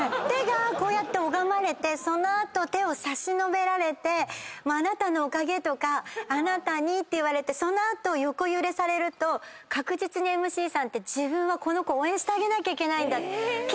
こうやって拝まれてその後手を差し伸べられて「あなたのおかげ」とか「あなたに」って言われて横揺れされると確実にＭＣさんってこの子を応援してあげなきゃって。